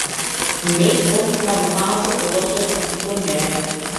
Не кон набутаното колаче туку кон мене.